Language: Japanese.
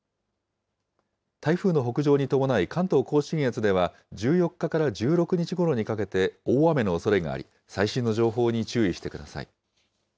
台風の北上に伴い、関東甲信越では１４日から１６日ごろにかけて、大雨のおそれがあり、最新の情報に注意してください。